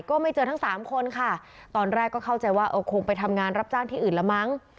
ก็ไม่เจอทั้งสามคนค่ะตอนแรกก็เข้าใจว่าเออคงไปทำงานรับจ้างที่อื่นละมั้ง